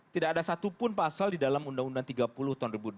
tidak ada satupun pasal di dalam undang undang tiga puluh tahun dua ribu dua